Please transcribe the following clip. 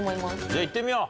じゃあ行ってみよう。